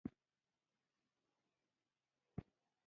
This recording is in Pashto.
قضاوت او حافظه هم د مغز دندې دي.